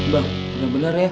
bang bener bener ya